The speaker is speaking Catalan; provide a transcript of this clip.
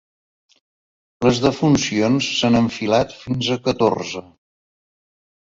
Les defuncions s’han enfilat fins a catorze.